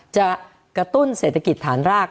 จะกระตุ้นเศรษฐกิจฐานราก